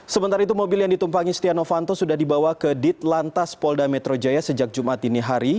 sementara itu mobil yang ditumpangi stiano vanto sudah dibawa ke dit lantas polda metro jaya sejak jumat ini hari